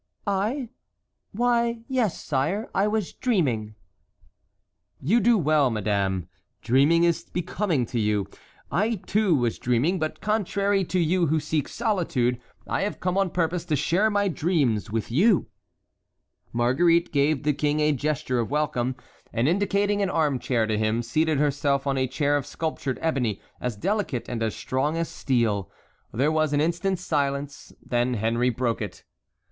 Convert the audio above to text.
"I? Why, yes, sire, I was dreaming." "You do well, madame. Dreaming is becoming to you. I too was dreaming; but contrary to you who seek solitude, I have come on purpose to share my dreams, with you." Marguerite gave the king a gesture of welcome, and indicating an armchair to him, seated herself on a chair of sculptured ebony, as delicate and as strong as steel. There was an instant's silence; then Henry broke it.